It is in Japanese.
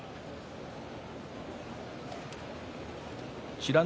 美ノ